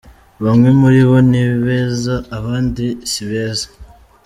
Bamwe muri bo nibeza abandi sibeza.